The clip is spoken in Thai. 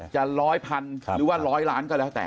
จะร้อยพันหรือว่าร้อยล้านก็แล้วแต่